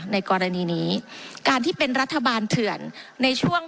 ในกรณีนี้การที่เป็นรัฐบาลเถื่อนในช่วง